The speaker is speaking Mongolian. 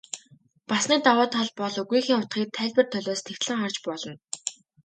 Бас нэг давуу тал бол үгийнхээ утгыг тайлбар толиос нягтлан харж болно.